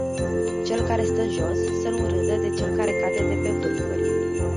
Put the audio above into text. Cel care stă jos, să nu râdă de cel care cade de pe vârfuri.